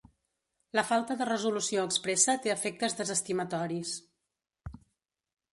La falta de resolució expressa té efectes desestimatoris.